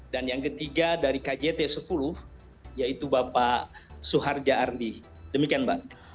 dan yang ketiga dari kjt sepuluh yaitu bapak suharja ardi demikian mbak